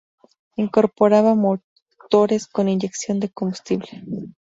Incorporaba motores con inyección de combustible.